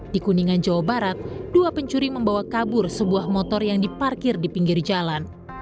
di kuningan jawa barat dua pencuri membawa kabur sebuah motor yang diparkir di pinggir jalan